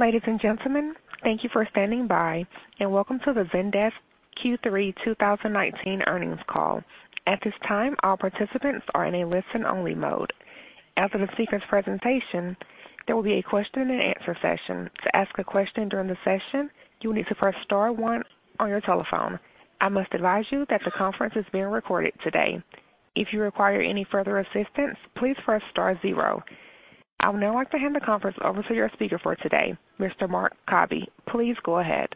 Ladies and gentlemen, thank you for standing by, and welcome to the Zendesk Q3 2019 earnings call. At this time, all participants are in a listen-only mode. After the speaker's presentation, there will be a question and answer session. To ask a question during the session, you will need to press star one on your telephone. I must advise you that the conference is being recorded today. If you require any further assistance, please press star zero. I would now like to hand the conference over to your speaker for today, Mr. Marc Cabi. Please go ahead.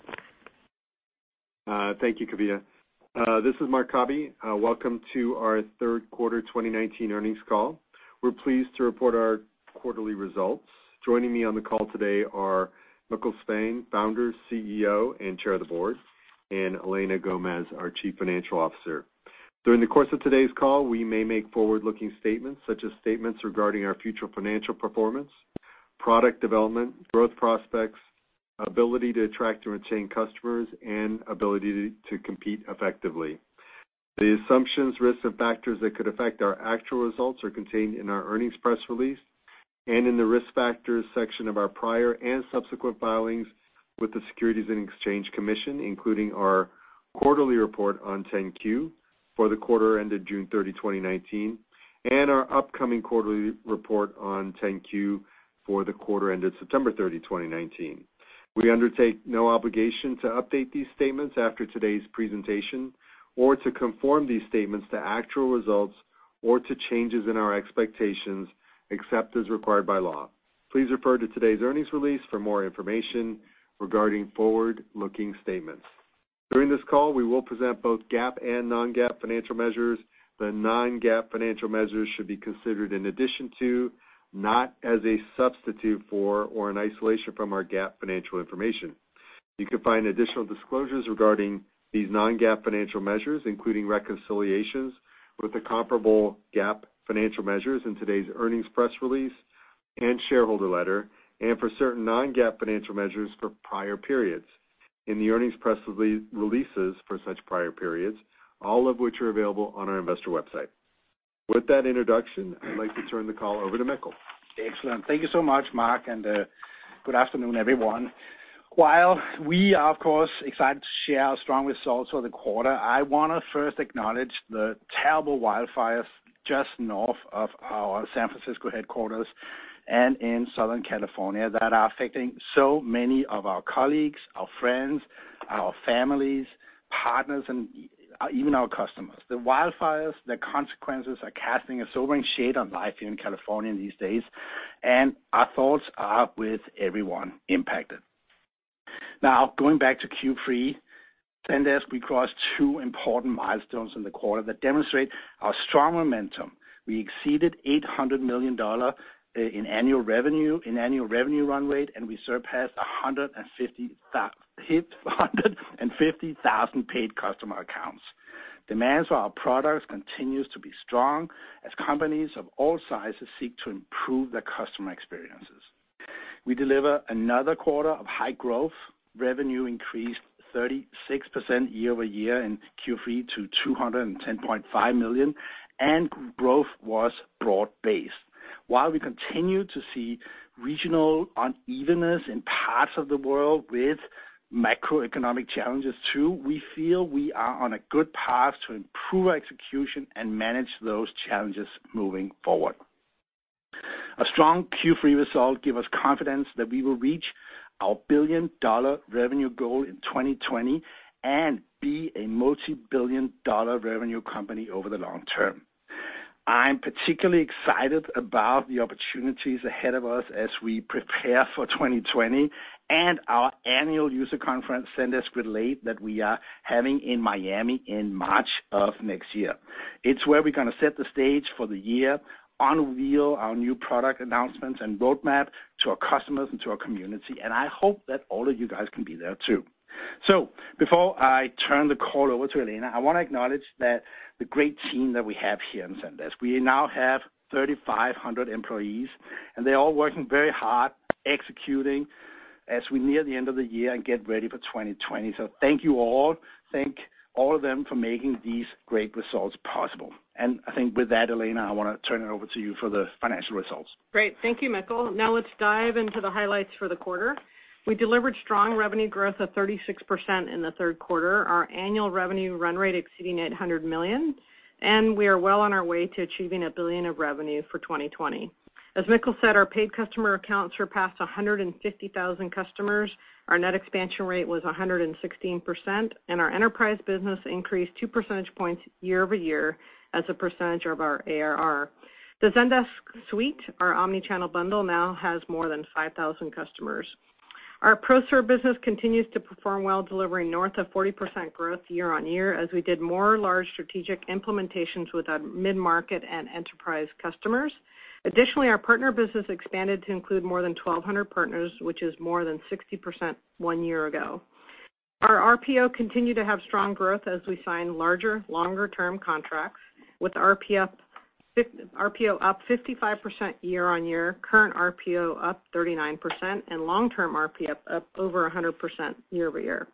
Thank you, Kavita. This is Marc Cabi. Welcome to our third quarter 2019 earnings call. We're pleased to report our quarterly results. Joining me on the call today are Mikkel Svane, founder, CEO, and chair of the board, and Elena Gomez, our chief financial officer. During the course of today's call, we may make forward-looking statements such as statements regarding our future financial performance, product development, growth prospects, ability to attract and retain customers, and ability to compete effectively. The assumptions, risks, and factors that could affect our actual results are contained in our earnings press release and in the risk factors section of our prior and subsequent filings with the Securities and Exchange Commission, including our quarterly report on 10-Q for the quarter ended June 30, 2019, and our upcoming quarterly report on 10-Q for the quarter ended September 30, 2019. We undertake no obligation to update these statements after today's presentation or to conform these statements to actual results or to changes in our expectations, except as required by law. Please refer to today's earnings release for more information regarding forward-looking statements. During this call, we will present both GAAP and non-GAAP financial measures. The non-GAAP financial measures should be considered in addition to, not as a substitute for or in isolation from our GAAP financial information. You can find additional disclosures regarding these non-GAAP financial measures, including reconciliations with the comparable GAAP financial measures in today's earnings press release and shareholder letter, and for certain non-GAAP financial measures for prior periods in the earnings press releases for such prior periods, all of which are available on our investor website. With that introduction, I'd like to turn the call over to Mikkel. Excellent. Thank you so much, Marc, and good afternoon, everyone. While we are, of course, excited to share our strong results for the quarter, I want to first acknowledge the terrible wildfires just north of our San Francisco headquarters and in Southern California that are affecting so many of our colleagues, our friends, our families, partners, and even our customers. The wildfires, the consequences are casting a sobering shade on life here in California these days. Our thoughts are with everyone impacted. Going back to Q3, Zendesk, we crossed two important milestones in the quarter that demonstrate our strong momentum. We exceeded $800 million in annual revenue run rate. We surpassed 150,000 paid customer accounts. Demand for our products continues to be strong as companies of all sizes seek to improve their customer experiences. We deliver another quarter of high growth. Revenue increased 36% year-over-year in Q3 to $210.5 million. Growth was broad-based. While we continue to see regional unevenness in parts of the world with macroeconomic challenges too, we feel we are on a good path to improve our execution and manage those challenges moving forward. A strong Q3 result gives us confidence that we will reach our billion-dollar revenue goal in 2020 and be a multibillion-dollar revenue company over the long term. I'm particularly excited about the opportunities ahead of us as we prepare for 2020 and our annual user conference, Zendesk Relate, that we are having in Miami in March of next year. It's where we're going to set the stage for the year, unveil our new product announcements and roadmap to our customers and to our community, and I hope that all of you guys can be there too. Before I turn the call over to Elena, I want to acknowledge that the great team that we have here in Zendesk. We now have 3,500 employees, and they're all working very hard executing as we near the end of the year and get ready for 2020. Thank you all. Thank all of them for making these great results possible. I think with that, Elena, I want to turn it over to you for the financial results. Great. Thank you, Mikkel. Let's dive into the highlights for the quarter. We delivered strong revenue growth of 36% in the third quarter, our annual revenue run rate exceeding $800 million, and we are well on our way to achieving $1 billion of revenue for 2020. As Mikkel said, our paid customer accounts surpassed 150,000 customers. Our net expansion rate was 116%, and our enterprise business increased two percentage points year-over-year as a percentage of our ARR. The Zendesk Suite, our omnichannel bundle, now has more than 5,000 customers. Our pro serve business continues to perform well, delivering north of 40% growth year-on-year as we did more large strategic implementations with our mid-market and enterprise customers. Additionally, our partner business expanded to include more than 1,200 partners, which is more than 60% one year ago. Our RPO continued to have strong growth as we signed larger, longer-term contracts, with RPO up 55% year-over-year, current RPO up 39%, and long-term RPO up over 100% year-over-year.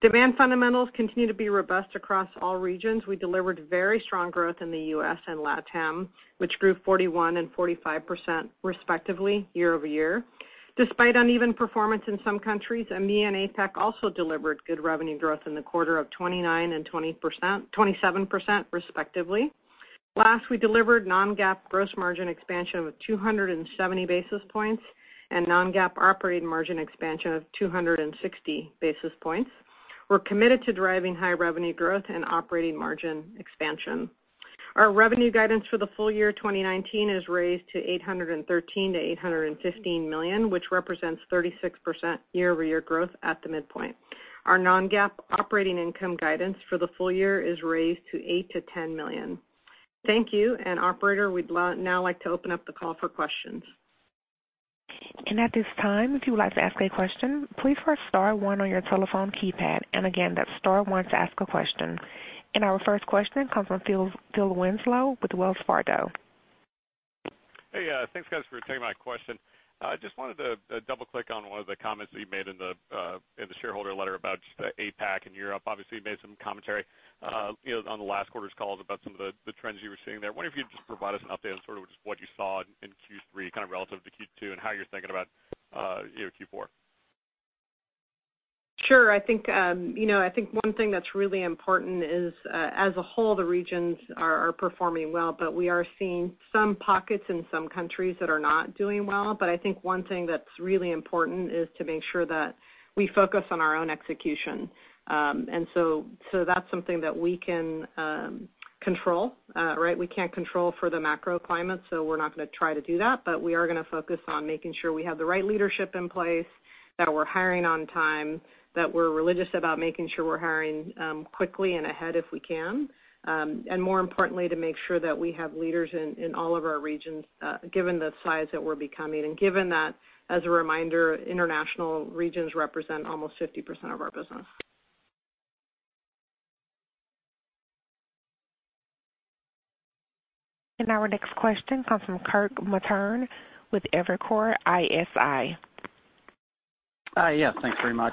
Demand fundamentals continue to be robust across all regions. We delivered very strong growth in the U.S. and LATAM, which grew 41% and 45% respectively year-over-year. Despite uneven performance in some countries, EMEA and APAC also delivered good revenue growth in the quarter of 29% and 27% respectively. Last, we delivered non-GAAP gross margin expansion of 270 basis points and non-GAAP operating margin expansion of 260 basis points. We're committed to driving high revenue growth and operating margin expansion. Our revenue guidance for the full year 2019 is raised to $813 million-$815 million, which represents 36% year-over-year growth at the midpoint. Our non-GAAP operating income guidance for the full year is raised to $8 million-$10 million. Thank you, operator, we'd now like to open up the call for questions. At this time, if you would like to ask a question, please press star one on your telephone keypad. Again, that's star one to ask a question. Our first question comes from Phil Winslow with Wells Fargo. Hey, thanks guys for taking my question. Just wanted to double-click on one of the comments that you made in the shareholder letter about APAC and Europe. Obviously, you made some commentary on the last quarter's calls about some of the trends you were seeing there. Wonder if you could just provide us an update on sort of just what you saw in Q3 kind of relative to Q2 and how you're thinking about Q4? Sure. I think one thing that's really important is as a whole, the regions are performing well, but we are seeing some pockets in some countries that are not doing well. I think one thing that's really important is to make sure that we focus on our own execution. That's something that we can control. We can't control for the macro climate, so we're not going to try to do that. We are going to focus on making sure we have the right leadership in place, that we're hiring on time, that we're religious about making sure we're hiring quickly and ahead if we can. More importantly, to make sure that we have leaders in all of our regions, given the size that we're becoming, and given that, as a reminder, international regions represent almost 50% of our business. Our next question comes from Kirk Materne with Evercore ISI. Yeah. Thanks very much.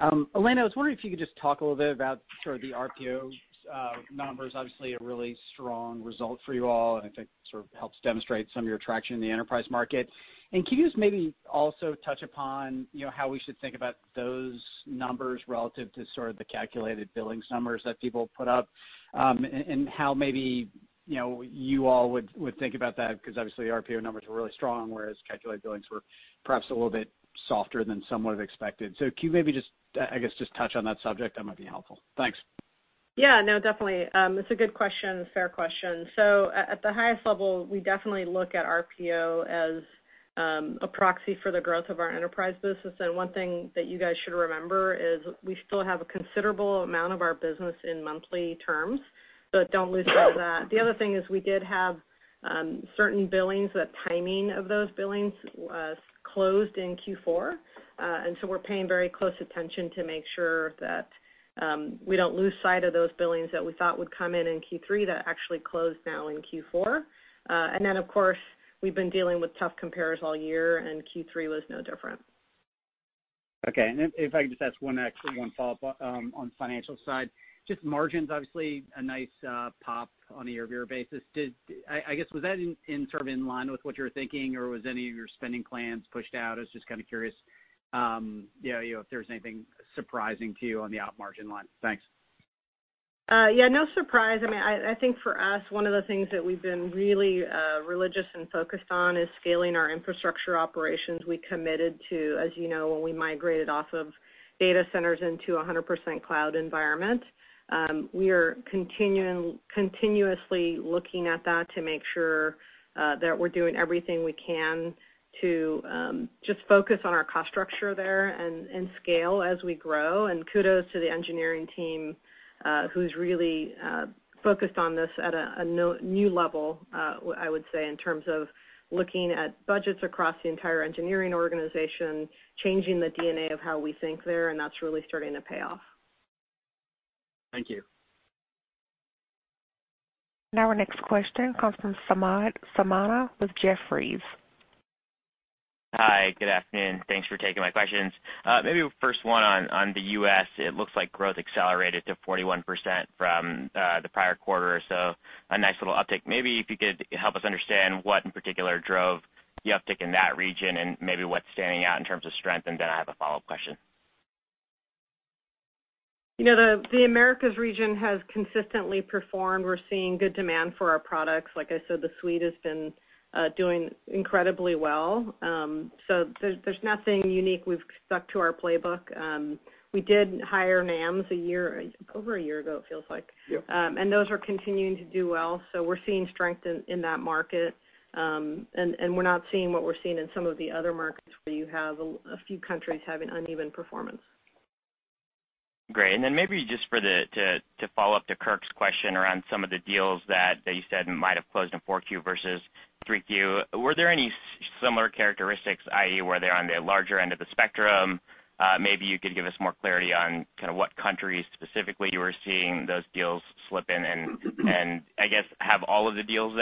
Elena, I was wondering if you could just talk a little bit about sort of the RPO numbers. Obviously, a really strong result for you all, and I think sort of helps demonstrate some of your traction in the enterprise market. Can you just maybe also touch upon how we should think about those numbers relative to sort of the calculated billings numbers that people put up, and how maybe you all would think about that? Obviously, RPO numbers were really strong, whereas calculated billings were perhaps a little bit softer than some would have expected. Can you maybe just touch on that subject? That might be helpful. Thanks. Yeah, no, definitely. It's a good question, a fair question. At the highest level, we definitely look at RPO as a proxy for the growth of our enterprise business, and one thing that you guys should remember is we still have a considerable amount of our business in monthly terms, so don't lose sight of that. The other thing is we did have certain billings that timing of those billings closed in Q4, and so we're paying very close attention to make sure that we don't lose sight of those billings that we thought would come in in Q3 that actually closed now in Q4. Of course, we've been dealing with tough compares all year, and Q3 was no different. Okay. If I could just ask one actually, one follow-up on financial side. Just margins, obviously a nice pop on a year-over-year basis. I guess, was that in sort of in line with what you're thinking, or was any of your spending plans pushed out? I was just kind of curious if there was anything surprising to you on the op margin line. Thanks. Yeah, no surprise. I think for us, one of the things that we've been really religious and focused on is scaling our infrastructure operations. We committed to, as you know, when we migrated off of data centers into 100% cloud environment. We are continuously looking at that to make sure that we're doing everything we can to just focus on our cost structure there and scale as we grow. Kudos to the engineering team who's really focused on this at a new level, I would say, in terms of looking at budgets across the entire engineering organization, changing the DNA of how we think there, and that's really starting to pay off. Thank you. Our next question comes from Samana with Jefferies. Hi. Good afternoon. Thanks for taking my questions. Maybe first one on the U.S., it looks like growth accelerated to 41% from the prior quarter or so. A nice little uptick. Maybe if you could help us understand what in particular drove the uptick in that region and maybe what's standing out in terms of strength, and then I have a follow-up question. The Americas region has consistently performed. We're seeing good demand for our products. Like I said, the Suite has been doing incredibly well. There's nothing unique. We've stuck to our playbook. We did hire NAMs over a year ago, it feels like. Yep. Those are continuing to do well. We're seeing strength in that market. We're not seeing what we're seeing in some of the other markets where you have a few countries having uneven performance. Great. Maybe just to follow up to Kirk's question around some of the deals that you said might have closed in 4Q versus 3Q, were there any similar characteristics, i.e., were they on the larger end of the spectrum? Maybe you could give us more clarity on kind of what countries specifically you were seeing those deals slip in. I guess have all of the deals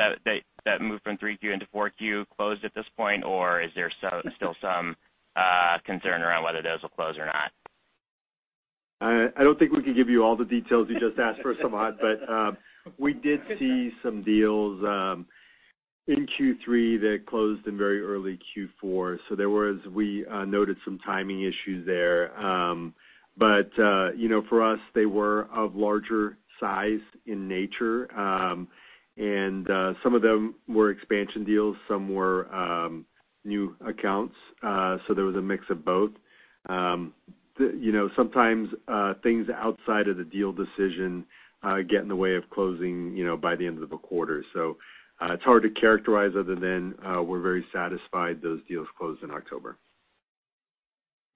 that moved from 3Q into 4Q closed at this point, or is there still some concern around whether those will close or not? I don't think we can give you all the details you just asked for, Samad, but we did see some deals in Q3 that closed in very early Q4. We noted some timing issues there. For us, they were of larger size in nature. Some of them were expansion deals, some were new accounts. There was a mix of both. Sometimes things outside of the deal decision get in the way of closing by the end of a quarter. It's hard to characterize other than we're very satisfied those deals closed in October.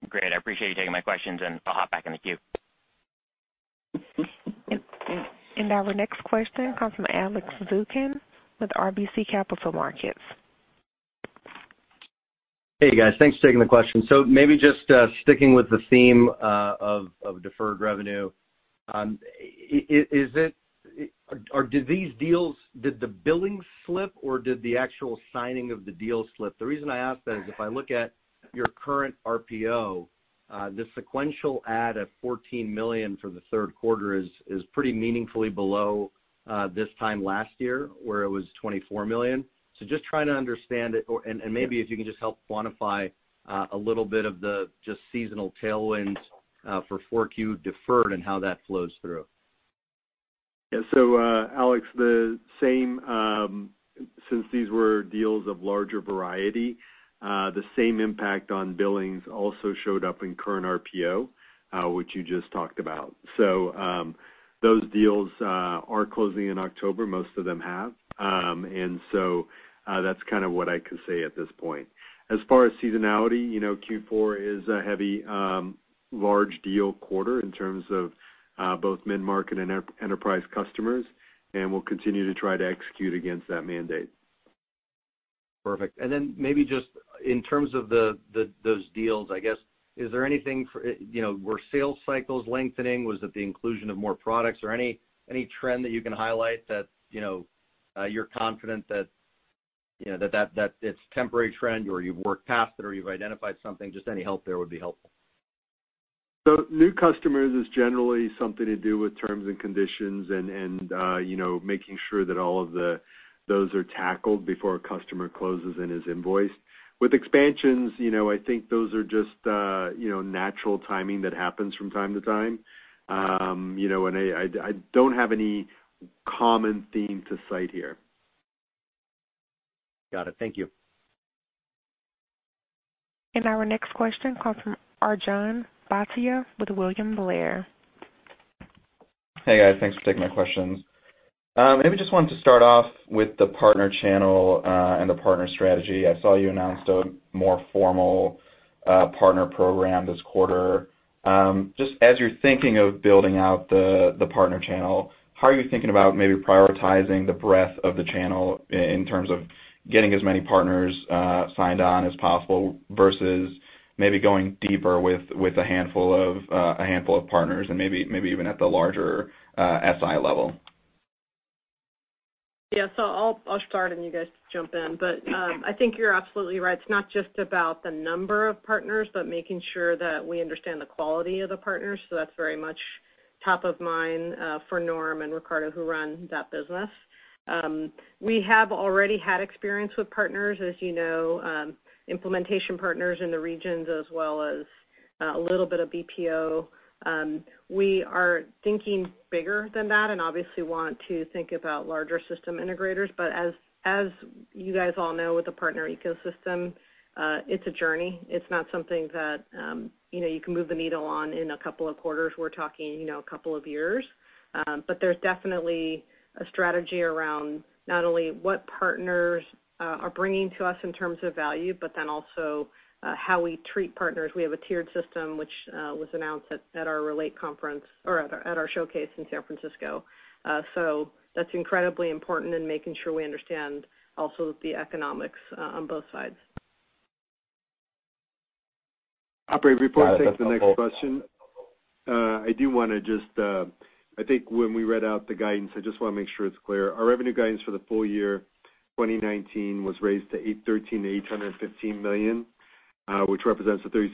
Great. I appreciate you taking my questions, and I'll hop back in the queue. Our next question comes from Alex Zukin with RBC Capital Markets. Hey, guys. Thanks for taking the question. Maybe just sticking with the theme of deferred revenue. Did the billings slip or did the actual signing of the deal slip? The reason I ask that is if I look at your current RPO, the sequential add of $14 million from the third quarter is pretty meaningfully below this time last year, where it was $24 million. Just trying to understand it, and maybe if you can just help quantify a little bit of the just seasonal tailwinds for 4Q deferred and how that flows through. Alex, since these were deals of larger variety, the same impact on billings also showed up in current RPO, which you just talked about. Those deals are closing in October, most of them have. That's what I can say at this point. As far as seasonality, Q4 is a heavy, large deal quarter in terms of both mid-market and enterprise customers, and we'll continue to try to execute against that mandate. Perfect. Then maybe just in terms of those deals, I guess, were sales cycles lengthening? Was it the inclusion of more products? Any trend that you can highlight that you're confident that it's a temporary trend or you've worked past it or you've identified something, just any help there would be helpful. New customers is generally something to do with terms and conditions and making sure that all of those are tackled before a customer closes and is invoiced. With expansions, I think those are just natural timing that happens from time to time. I don't have any common theme to cite here. Got it. Thank you. Our next question comes from Arjun Bhatia with William Blair. Hey, guys, thanks for taking my questions. Just wanted to start off with the partner channel and the partner strategy. I saw you announced a more formal partner program this quarter. As you're thinking of building out the partner channel, how are you thinking about maybe prioritizing the breadth of the channel in terms of getting as many partners signed on as possible versus maybe going deeper with a handful of partners and maybe even at the larger SI level? I'll start and you guys jump in. I think you're absolutely right. It's not just about the number of partners, but making sure that we understand the quality of the partners. That's very much top of mind for Norm and Ricardo, who run that business. We have already had experience with partners, as you know, implementation partners in the regions as well as a little bit of BPO. We are thinking bigger than that and obviously want to think about larger system integrators. As you guys all know with the partner ecosystem, it's a journey. It's not something that you can move the needle on in a couple of quarters. We're talking a couple of years. There's definitely a strategy around not only what partners are bringing to us in terms of value, but then also how we treat partners. We have a tiered system, which was announced at our Relate conference, or at our showcase in San Francisco. That's incredibly important in making sure we understand also the economics on both sides. Operating before I take the next question. I think when we read out the guidance, I just want to make sure it's clear. Our revenue guidance for the full year 2019 was raised to $813 million-$815 million, which represents a 36%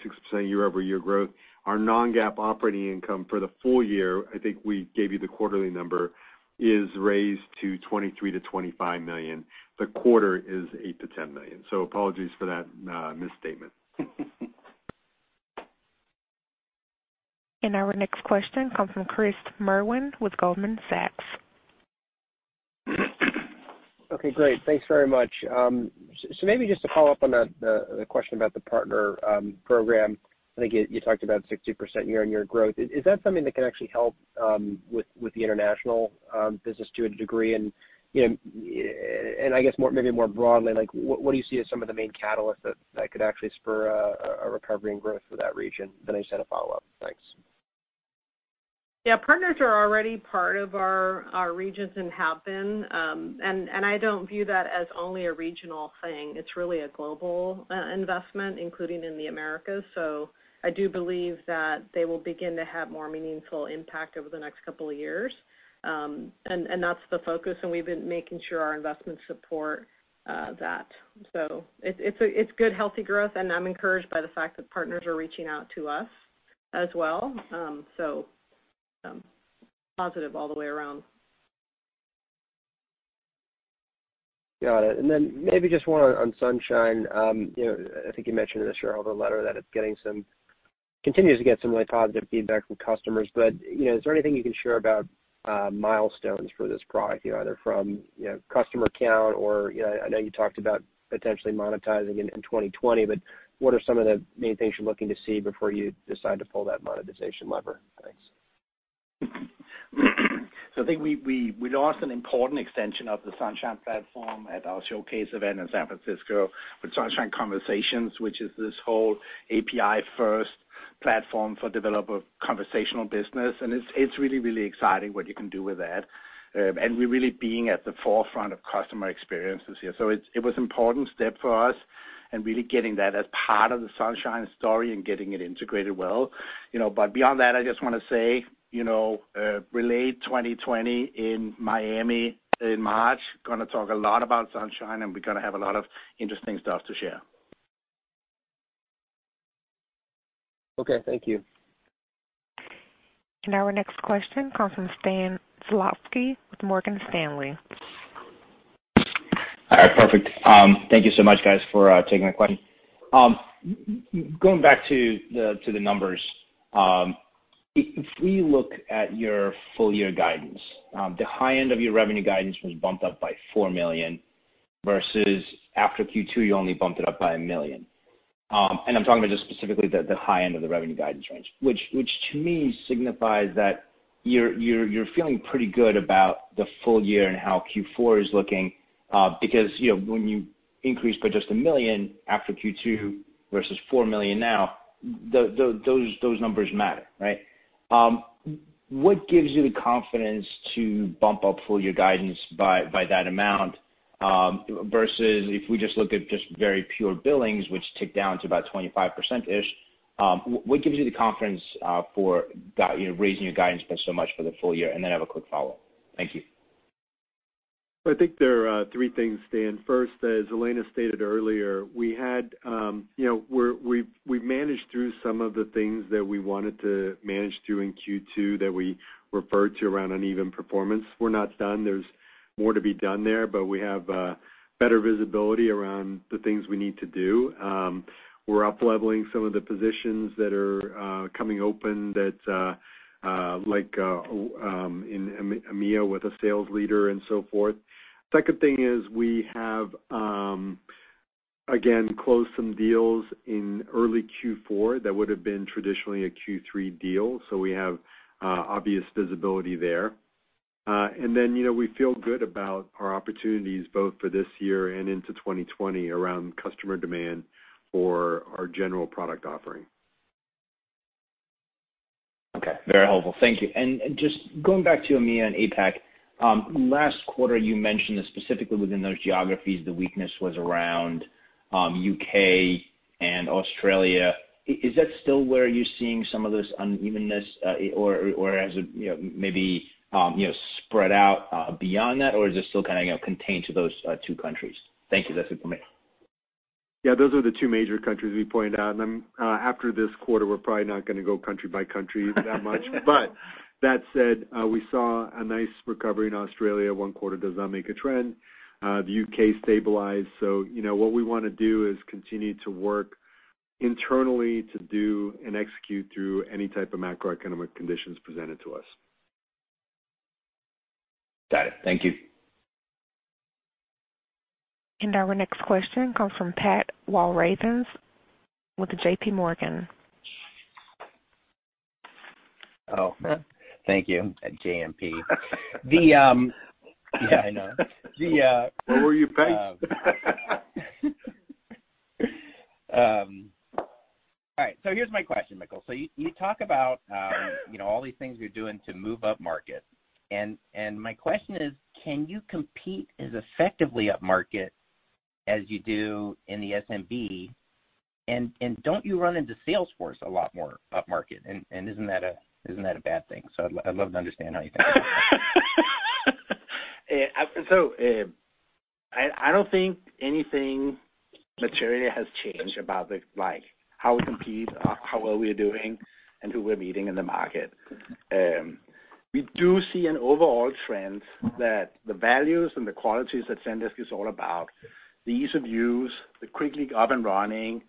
year-over-year growth. Our non-GAAP operating income for the full year, I think we gave you the quarterly number, is raised to $23 million-$25 million. The quarter is $8 million-$10 million. Apologies for that misstatement. Our next question comes from Chris Merwin with Goldman Sachs. Okay, great. Thanks very much. Maybe just to follow up on that, the question about the partner program. I think you talked about 60% year-on-year growth. Is that something that can actually help with the international business to a degree? I guess maybe more broadly, what do you see as some of the main catalysts that could actually spur a recovery and growth for that region? I just had a follow-up. Thanks. Yeah. Partners are already part of our regions and have been. I don't view that as only a regional thing. It's really a global investment, including in the Americas. I do believe that they will begin to have more meaningful impact over the next couple of years. That's the focus, and we've been making sure our investments support that. It's good, healthy growth, and I'm encouraged by the fact that partners are reaching out to us as well. Positive all the way around. Got it. Then maybe just one on Sunshine. I think you mentioned in the shareholder letter that it continues to get some really positive feedback from customers. Is there anything you can share about milestones for this product, either from customer count or, I know you talked about potentially monetizing it in 2020, but what are some of the main things you're looking to see before you decide to pull that monetization lever? Thanks. I think we launched an important extension of the Sunshine platform at our showcase event in San Francisco with Sunshine Conversations, which is this whole API-first platform for developer conversational business, and it's really, really exciting what you can do with that. We're really being at the forefront of customer experiences here. It was important step for us and really getting that as part of the Sunshine story and getting it integrated well. Beyond that, I just want to say, Relate 2020 in Miami in March, going to talk a lot about Sunshine, and we're going to have a lot of interesting stuff to share. Okay, thank you. Our next question comes from Stan Zlotsky with Morgan Stanley. All right, perfect. Thank you so much, guys, for taking my question. Going back to the numbers, if we look at your full-year guidance, the high end of your revenue guidance was bumped up by $4 million, versus after Q2, you only bumped it up by $1 million. I'm talking about just specifically the high end of the revenue guidance range, which to me signifies that you're feeling pretty good about the full year and how Q4 is looking, because when you increase by just $1 million after Q2 versus $4 million now, those numbers matter, right? What gives you the confidence to bump up full year guidance by that amount? Versus if we just look at just very pure billings, which tick down to about 25%-ish, what gives you the confidence for raising your guidance by so much for the full year? Then I have a quick follow-up. Thank you. I think there are three things, Stan. First, as Elena stated earlier, we've managed through some of the things that we wanted to manage through in Q2 that we referred to around uneven performance. We're not done. There's more to be done there, but we have better visibility around the things we need to do. We're up-leveling some of the positions that are coming open, like in EMEA with a sales leader and so forth. Second thing is we have, again, closed some deals in early Q4 that would've been traditionally a Q3 deal, so we have obvious visibility there. We feel good about our opportunities both for this year and into 2020 around customer demand for our general product offering. Okay. Very helpful. Thank you. Just going back to EMEA and APAC, last quarter, you mentioned that specifically within those geographies, the weakness was around U.K. and Australia. Is that still where you're seeing some of this unevenness, or has it maybe spread out beyond that, or is this still kind of contained to those two countries? Thank you. That's it for me. Yeah, those are the two major countries we pointed out. After this quarter, we're probably not going to go country by country that much. That said, we saw a nice recovery in Australia. One quarter does not make a trend. The U.K. stabilized. What we want to do is continue to work internally to do and execute through any type of macroeconomic conditions presented to us. Got it. Thank you. Our next question comes from Pat Walravens with JPMorgan. Oh, thank you. At JMP. Yeah, I know. Who are you paying? All right, here's my question, Mikkel. You talk about all these things you're doing to move upmarket, and my question is, can you compete as effectively upmarket as you do in the SMB? Don't you run into Salesforce a lot more upmarket? Isn't that a bad thing? I'd love to understand how you think. I don't think anything material has changed about how we compete, how well we're doing, and who we're meeting in the market. We do see an overall trend that the values and the qualities that Zendesk is all about, the ease of use, the quickly up and running,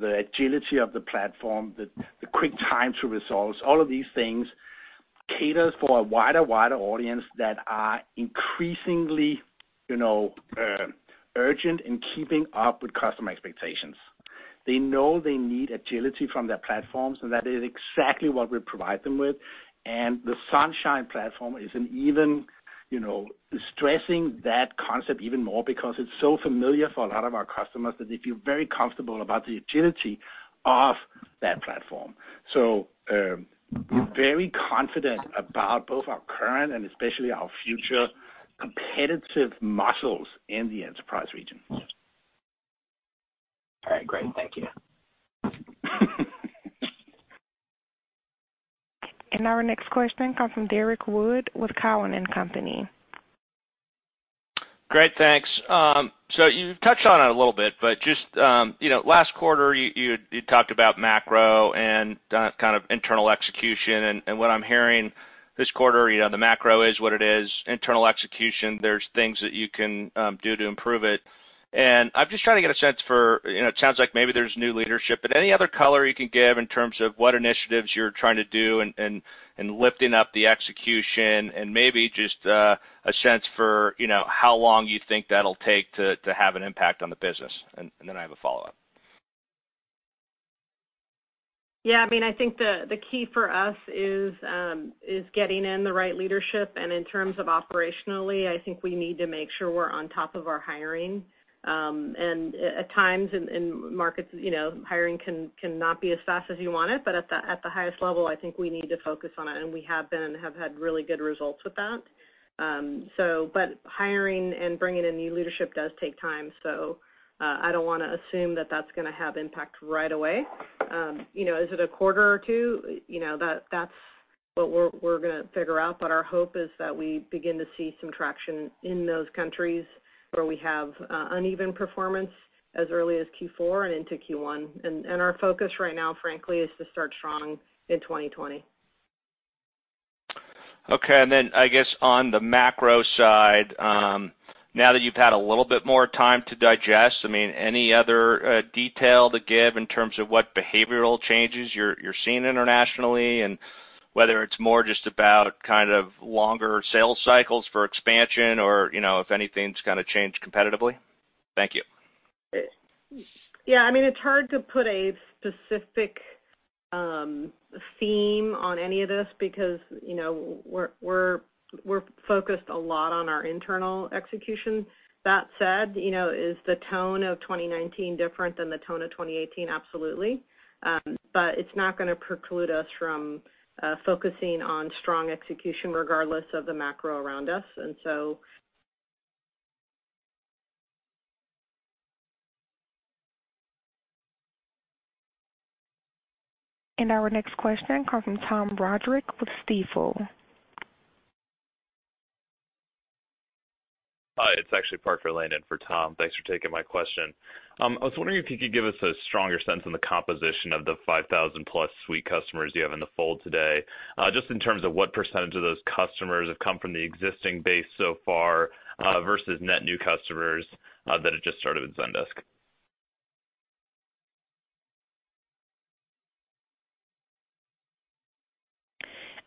the agility of the platform, the quick time to resolve, all of these things caters for a wider audience that are increasingly urgent in keeping up with customer expectations. They know they need agility from their platforms, and that is exactly what we provide them with. The Sunshine platform is stressing that concept even more because it's so familiar for a lot of our customers that they feel very comfortable about the agility of that platform. Very confident about both our current and especially our future competitive muscles in the enterprise region. All right, great. Thank you. Our next question comes from Derrick Wood with Cowen and Company. Great, thanks. You've touched on it a little bit, but just last quarter, you talked about macro and kind of internal execution, and what I'm hearing this quarter, the macro is what it is. Internal execution, there's things that you can do to improve it. I'm just trying to get a sense for, it sounds like maybe there's new leadership, but any other color you can give in terms of what initiatives you're trying to do and lifting up the execution and maybe just a sense for how long you think that'll take to have an impact on the business? Then I have a follow-up. Yeah, I think the key for us is getting in the right leadership, and in terms of operationally, I think we need to make sure we're on top of our hiring. At times in markets, hiring cannot be as fast as you want it. At the highest level, I think we need to focus on it. We have been and have had really good results with that. Hiring and bringing in new leadership does take time. I don't want to assume that that's going to have impact right away. Is it a quarter or two? That's what we're going to figure out. Our hope is that we begin to see some traction in those countries where we have uneven performance as early as Q4 and into Q1. Our focus right now, frankly, is to start strong in 2020. Okay, I guess on the macro side, now that you've had a little bit more time to digest, any other detail to give in terms of what behavioral changes you're seeing internationally and whether it's more just about kind of longer sales cycles for expansion or if anything's kind of changed competitively? Thank you. Yeah, it's hard to put a specific theme on any of this because we're focused a lot on our internal execution. That said, is the tone of 2019 different than the tone of 2018? Absolutely. It's not going to preclude us from focusing on strong execution regardless of the macro around us. Our next question comes from Tom Roderick with Stifel. Hi, it's actually Parker Lane in for Tom. Thanks for taking my question. I was wondering if you could give us a stronger sense on the composition of the 5,000-plus Suite customers you have in the fold today, just in terms of what % of those customers have come from the existing base so far versus net new customers that have just started with Zendesk?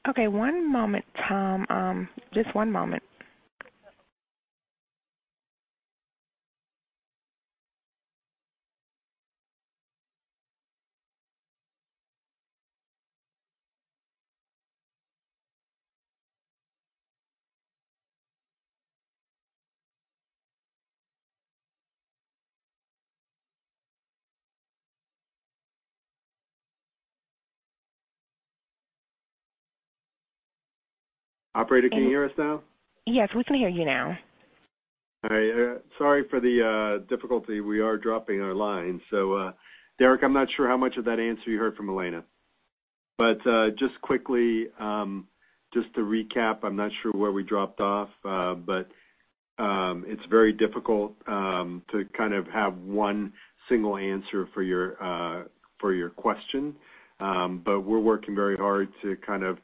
Okay. One moment, Tom. Just one moment. Operator, can you hear us now? Yes, we can hear you now. All right. Sorry for the difficulty. We are dropping our line. Derrick, I'm not sure how much of that answer you heard from Elena. Just quickly, just to recap, I'm not sure where we dropped off, but it's very difficult to kind of have one single answer for your question. We're working very hard to kind of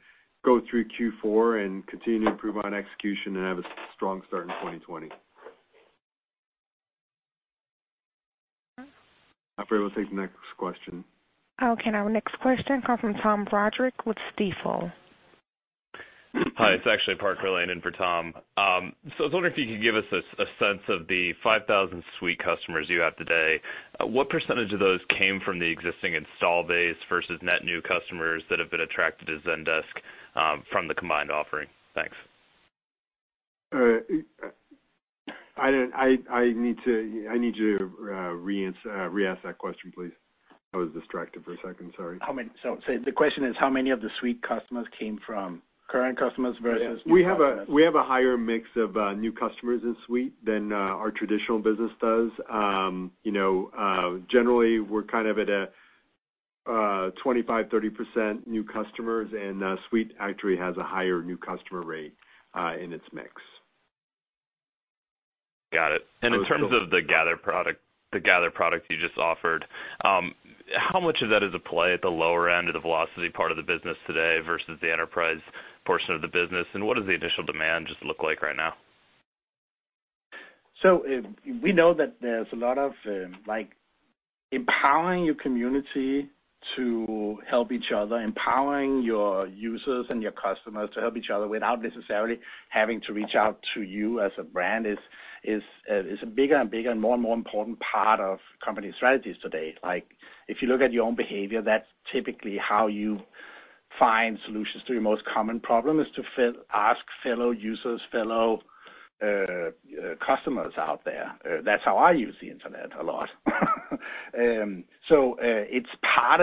go through Q4 and continue to improve on execution and have a strong start in 2020. Operator, we'll take the next question. Okay. Our next question comes from Tom Roderick with Stifel. Hi, it's actually Parker Lane in for Tom. I was wondering if you could give us a sense of the 5,000 Suite customers you have today. What % of those came from the existing install base versus net new customers that have been attracted to Zendesk from the combined offering? Thanks. All right. I need you to re-ask that question, please. I was distracted for a second. Sorry. The question is, how many of the Suite customers came from current customers versus new customers? We have a higher mix of new customers in Suite than our traditional business does. Generally, we're kind of at a 25%-30% new customers, and Suite actually has a higher new customer rate in its mix. Got it. In terms of the Gather product you just offered, how much of that is at play at the lower end of the Velocity part of the business today versus the enterprise portion of the business, and what does the initial demand just look like right now? We know that there's a lot of empowering your community to help each other, empowering your users and your customers to help each other without necessarily having to reach out to you as a brand is a bigger and bigger and more and more important part of company strategies today. If you look at your own behavior, that's typically how you find solutions to your most common problem is to ask fellow users, fellow customers out there. That's how I use the internet a lot.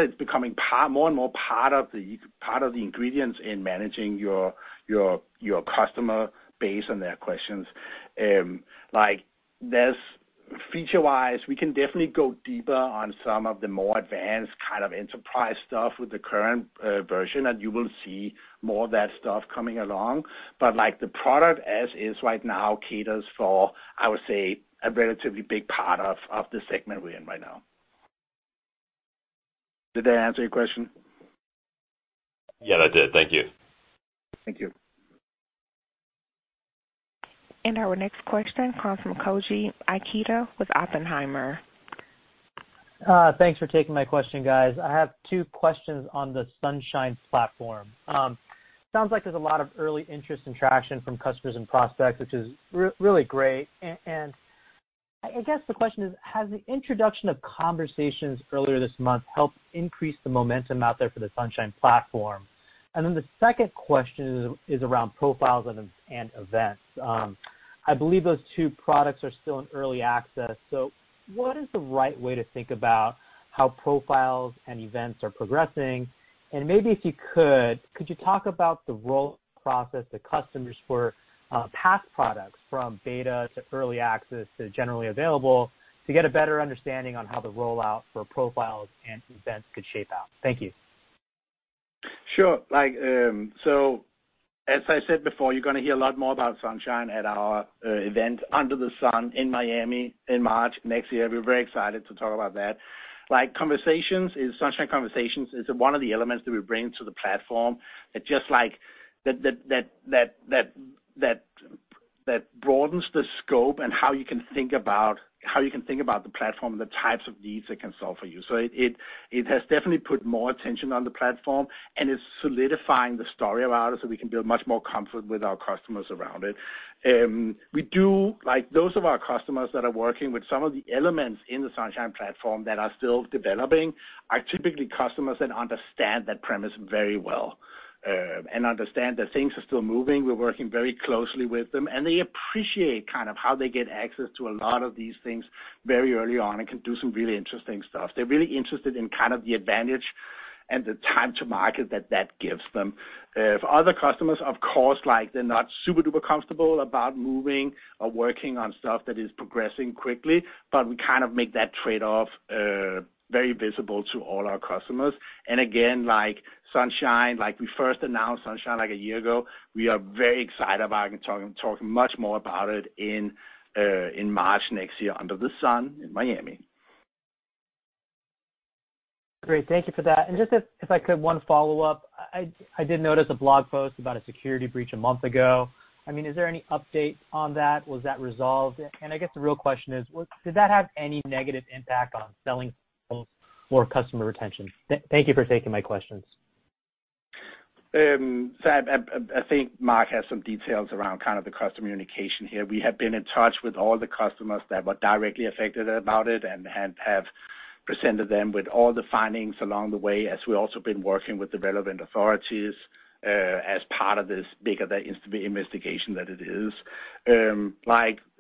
It's becoming more and more part of the ingredients in managing your customer base and their questions. Feature-wise, we can definitely go deeper on some of the more advanced kind of enterprise stuff with the current version, and you will see more of that stuff coming along. The product as is right now caters for, I would say, a relatively big part of the segment we're in right now. Did that answer your question? Yes, it did. Thank you. Thank you. Our next question comes from Koji Ikeda with Oppenheimer. Thanks for taking my question, guys. I have two questions on the Sunshine platform. Sounds like there's a lot of early interest and traction from customers and prospects, which is really great. I guess the question is, has the introduction of Conversations earlier this month helped increase the momentum out there for the Sunshine platform? The second question is around Profiles and Events. I believe those two products are still in early access. What is the right way to think about how Profiles and Events are progressing? Maybe if you could you talk about the roll process that customers for past products from beta to early access to generally available to get a better understanding on how the rollout for Profiles and Events could shape out? Thank you. Sure. As I said before, you're going to hear a lot more about Sunshine at our event Under the Sun in Miami in March next year. We're very excited to talk about that. Sunshine Conversations is one of the elements that we bring to the platform that broadens the scope and how you can think about the platform, the types of needs it can solve for you. It has definitely put more attention on the platform, and it's solidifying the story about it so we can build much more comfort with our customers around it. Those of our customers that are working with some of the elements in the Sunshine platform that are still developing are typically customers that understand that premise very well, and understand that things are still moving. We're working very closely with them, and they appreciate kind of how they get access to a lot of these things very early on and can do some really interesting stuff. They're really interested in kind of the advantage and the time to market that that gives them. For other customers, of course, they're not super-duper comfortable about moving or working on stuff that is progressing quickly, but we kind of make that trade-off very visible to all our customers. Again, we first announced Sunshine like a year ago. We are very excited about it and talking much more about it in March next year Under the Sun in Miami. Great. Thank you for that. Just if I could, one follow-up. I did notice a blog post about a security breach a month ago. Is there any update on that? Was that resolved? I guess the real question is, did that have any negative impact on selling or customer retention? Thank you for taking my questions. I think Marc has some details around kind of the customer communication here. We have been in touch with all the customers that were directly affected about it and have presented them with all the findings along the way, as we've also been working with the relevant authorities, as part of this bigger investigation that it is.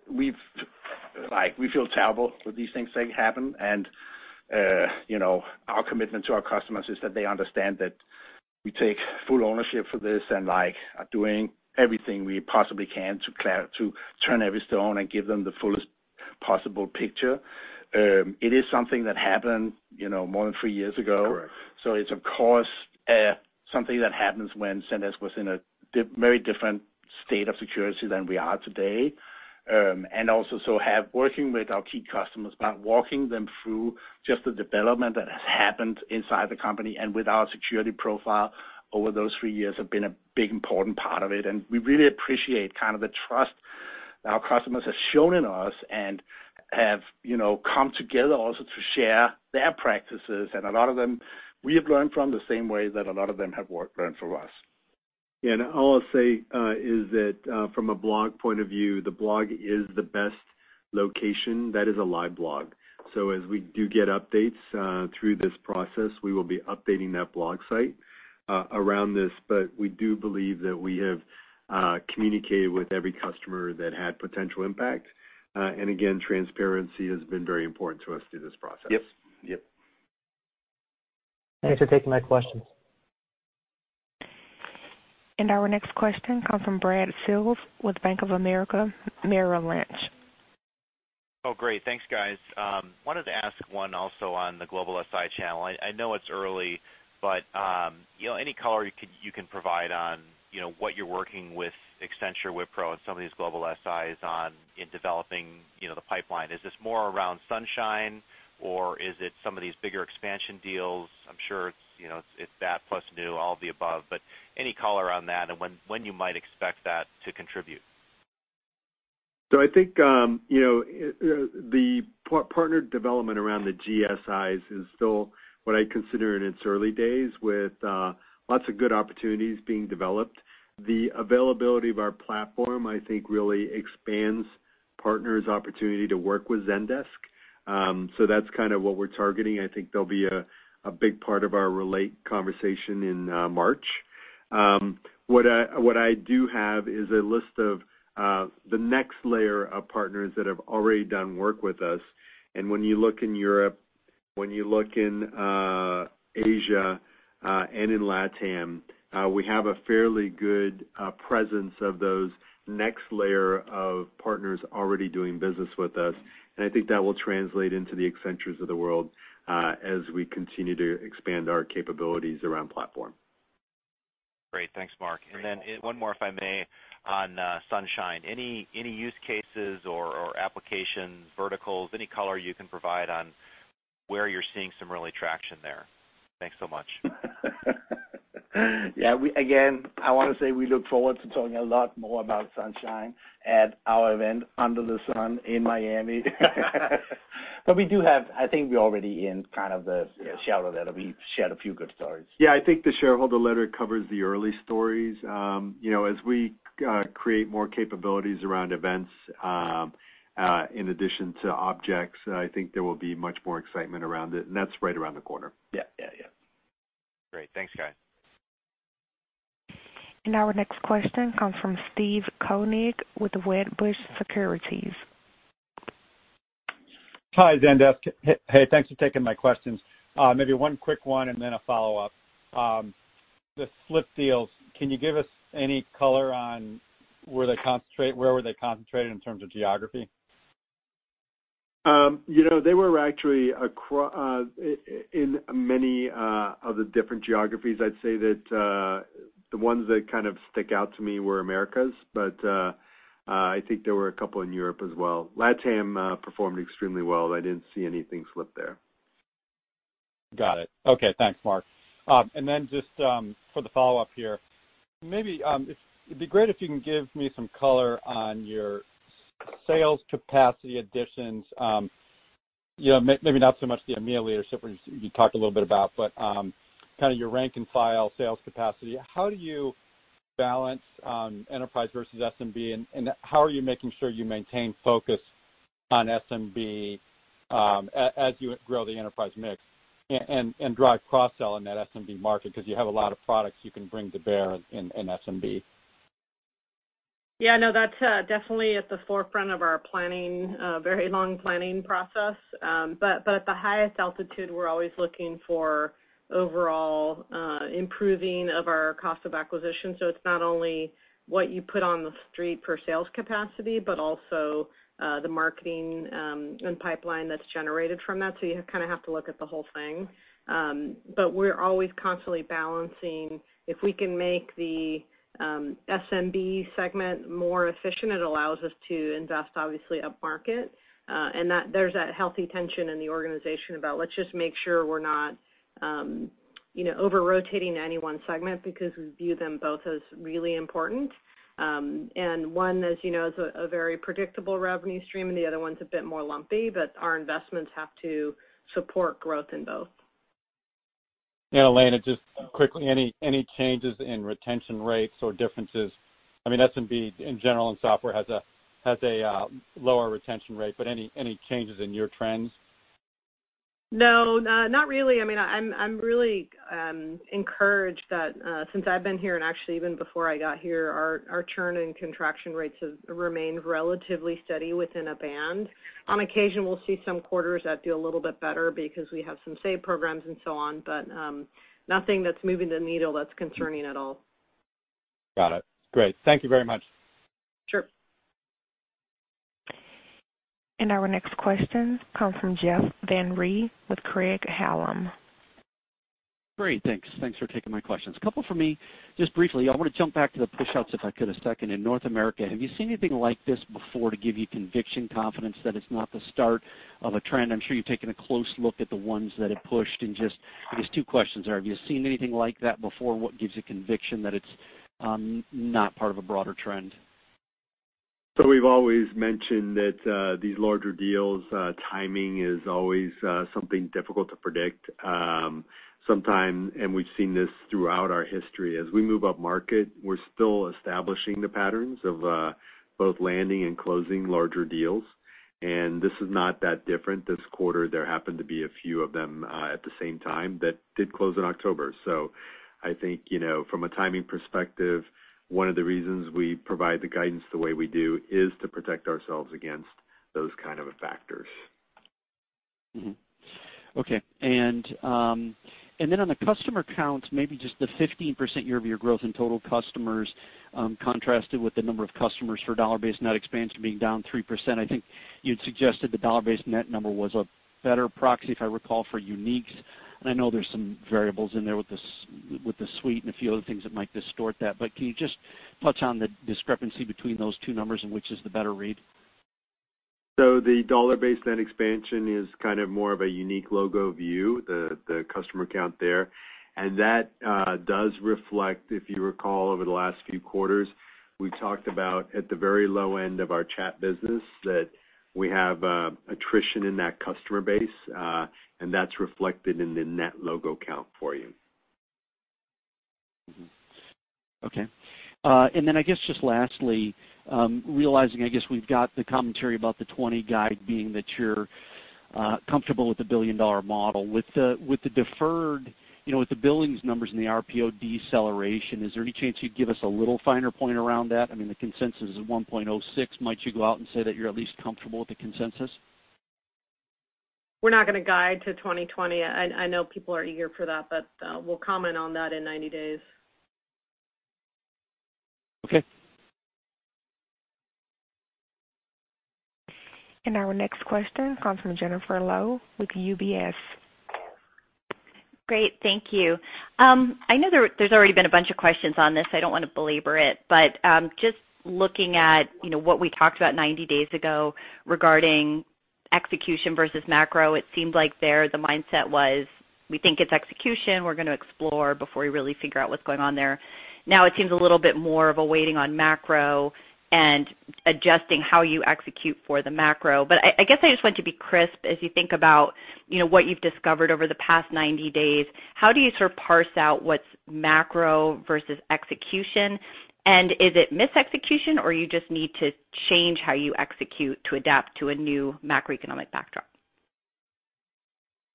We feel terrible for these things that happen, and our commitment to our customers is that they understand that we take full ownership for this and are doing everything we possibly can to turn every stone and give them the fullest possible picture. It is something that happened more than three years ago. Correct. It's, of course, something that happens when Zendesk was in a very different state of security than we are today. Also working with our key customers, walking them through just the development that has happened inside the company and with our security profile over those three years have been a big, important part of it, and we really appreciate kind of the trust that our customers have shown in us and have come together also to share their practices. A lot of them we have learned from the same way that a lot of them have learned from us. Yeah, all I'll say is that from a blog point of view, the blog is the best location. That is a live blog. As we do get updates through this process, we will be updating that blog site around this. We do believe that we have communicated with every customer that had potential impact. Again, transparency has been very important to us through this process. Yep. Thanks for taking my questions. Our next question comes from Brad Sills with Bank of America Merrill Lynch. Oh, great. Thanks, guys. Wanted to ask one also on the global SI channel. I know it's early, but any color you can provide on what you're working with Accenture, Wipro, and some of these global SIs on in developing the pipeline. Is this more around Sunshine or is it some of these bigger expansion deals? I'm sure it's that plus new, all of the above, but any color on that and when you might expect that to contribute. I think the partner development around the GSIs is still what I consider in its early days with lots of good opportunities being developed. The availability of our platform, I think, really expands partners' opportunity to work with Zendesk. That's kind of what we're targeting. I think they'll be a big part of our Relate conversation in March. What I do have is a list of the next layer of partners that have already done work with us. When you look in Europe, when you look in Asia, and in LATAM, we have a fairly good presence of those next layer of partners already doing business with us. I think that will translate into the Accentures of the world as we continue to expand our capabilities around platform. Great. Thanks, Marc. One more, if I may, on Sunshine. Any use cases or application verticals, any color you can provide on where you're seeing some early traction there? Thanks so much. Yeah. Again, I want to say we look forward to talking a lot more about Sunshine at our event Under the Sun in Miami. I think we're already in kind of the shadow of that, we've shared a few good stories. Yeah. I think the shareholder letter covers the early stories. As we create more capabilities around events in addition to objects, I think there will be much more excitement around it, and that's right around the corner. Yeah. Great. Thanks, guys. Our next question comes from Steve Koenig with Wedbush Securities. Hi, Zendesk. Hey, thanks for taking my questions. Maybe one quick one and then a follow-up. The slip deals, can you give us any color on where were they concentrated in terms of geography? They were actually in many of the different geographies. I'd say that the ones that kind of stick out to me were Americas. I think there were a couple in Europe as well. LatAm performed extremely well. I didn't see anything slip there. Got it. Okay. Thanks, Marc. Just for the follow-up here, maybe it'd be great if you can give me some color on your sales capacity additions. Maybe not so much the EMEA stuff you talked a little bit about, but kind of your rank and file sales capacity. How do you balance enterprise versus SMB, and how are you making sure you maintain focus on SMB as you grow the enterprise mix and drive cross-sell in that SMB market? You have a lot of products you can bring to bear in SMB. Yeah, no, that's definitely at the forefront of our very long planning process. At the highest altitude, we're always looking for overall improving of our cost of acquisition. It's not only what you put on the street per sales capacity, but also the marketing and pipeline that's generated from that. You kind of have to look at the whole thing. We're always constantly balancing. If we can make the SMB segment more efficient, it allows us to invest, obviously, up market. There's that healthy tension in the organization about let's just make sure we're not over-rotating any one segment because we view them both as really important. One, as you know, is a very predictable revenue stream, and the other one's a bit more lumpy, but our investments have to support growth in both. Elena, just quickly, any changes in retention rates or differences? I mean, SMB in general and software has a lower retention rate, but any changes in your trends? No, not really. I'm really encouraged that since I've been here, and actually even before I got here, our churn and contraction rates have remained relatively steady within a band. On occasion, we'll see some quarters that do a little bit better because we have some save programs and so on, but nothing that's moving the needle that's concerning at all. Got it. Great. Thank you very much. Sure. Our next question comes from Jeff Van Rhee with Craig-Hallum. Great. Thanks. Thanks for taking my questions. A couple from me. Just briefly, I want to jump back to the push outs, if I could, a second. In North America, have you seen anything like this before to give you conviction confidence that it's not the start of a trend? I'm sure you've taken a close look at the ones that have pushed. Just, I guess two questions there. Have you seen anything like that before? What gives you conviction that it's not part of a broader trend? We've always mentioned that these larger deals, timing is always something difficult to predict. We've seen this throughout our history. As we move up market, we're still establishing the patterns of both landing and closing larger deals, and this is not that different. This quarter, there happened to be a few of them at the same time that did close in October. I think from a timing perspective, one of the reasons we provide the guidance the way we do is to protect ourselves against those kind of factors. Mm-hmm. Okay. On the customer counts, maybe just the 15% year-over-year growth in total customers contrasted with the number of customers for dollar-based net expansion being down 3%. I think you'd suggested the dollar-based net number was a better proxy, if I recall, for uniques. I know there's some variables in there with the suite and a few other things that might distort that. Can you just touch on the discrepancy between those two numbers and which is the better read? The dollar-based net expansion is kind of more of a unique logo view, the customer count there. That does reflect, if you recall, over the last few quarters, we've talked about at the very low end of our chat business that we have attrition in that customer base, and that's reflected in the net logo count for you. Okay. I guess just lastly, realizing I guess we've got the commentary about the 2020 guide being that you're comfortable with the billion-dollar model. With the billings numbers and the RPO deceleration, is there any chance you'd give us a little finer point around that? I mean, the consensus is $1.06 billion. Might you go out and say that you're at least comfortable with the consensus? We're not going to guide to 2020. I know people are eager for that. We'll comment on that in 90 days. Okay. Our next question comes from Jennifer Lowe with UBS. Great. Thank you. I know there's already been a bunch of questions on this, I don't want to belabor it, just looking at what we talked about 90 days ago regarding execution versus macro, it seemed like there the mindset was, we think it's execution, we're going to explore before we really figure out what's going on there. Now it seems a little bit more of a waiting on macro and adjusting how you execute for the macro. I guess I just want to be crisp as you think about what you've discovered over the past 90 days. How do you sort of parse out what's macro versus execution? Is it mis-execution or you just need to change how you execute to adapt to a new macroeconomic backdrop?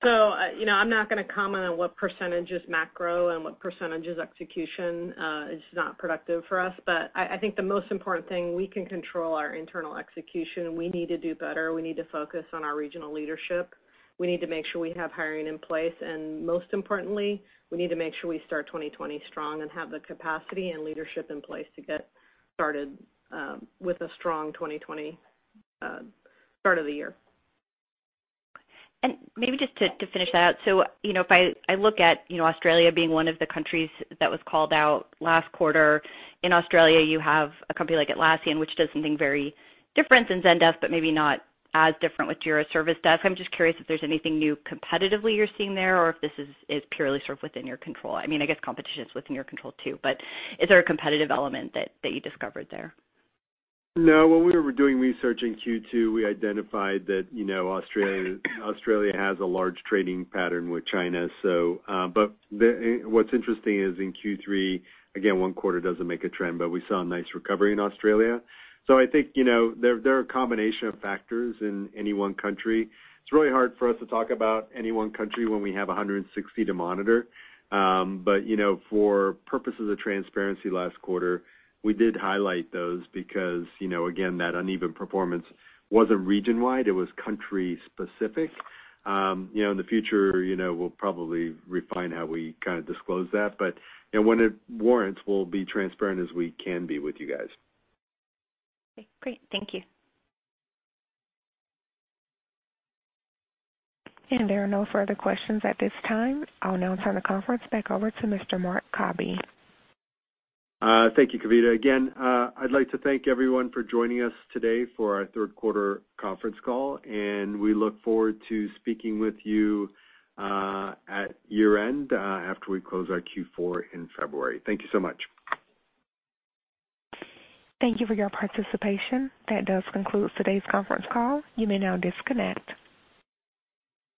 I'm not going to comment on what percentage is macro and what percentage is execution. It's just not productive for us. I think the most important thing, we can control our internal execution. We need to do better. We need to focus on our regional leadership. We need to make sure we have hiring in place, and most importantly, we need to make sure we start 2020 strong and have the capacity and leadership in place to get started with a strong 2020 start of the year. Maybe just to finish that out. If I look at Australia being one of the countries that was called out last quarter. In Australia, you have a company like Atlassian, which does something very different than Zendesk, but maybe not as different with Jira Service Desk. I'm just curious if there's anything new competitively you're seeing there, or if this is purely sort of within your control. I guess competition's within your control too, but is there a competitive element that you discovered there? No. When we were doing research in Q2, we identified that Australia has a large trading pattern with China. What's interesting is in Q3, again, one quarter doesn't make a trend, but we saw a nice recovery in Australia. I think there are a combination of factors in any one country. It's really hard for us to talk about any one country when we have 160 to monitor. For purposes of transparency last quarter, we did highlight those because, again, that uneven performance wasn't region-wide, it was country-specific. In the future, we'll probably refine how we kind of disclose that. When it warrants, we'll be transparent as we can be with you guys. Okay, great. Thank you. There are no further questions at this time. I'll now turn the conference back over to Mr. Marc Cabi. Thank you, Kavita. Again, I'd like to thank everyone for joining us today for our third quarter conference call, and we look forward to speaking with you at year-end, after we close our Q4 in February. Thank you so much. Thank you for your participation. That does conclude today's conference call. You may now disconnect.